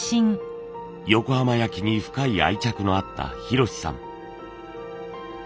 横浜焼に深い愛着のあった博さん。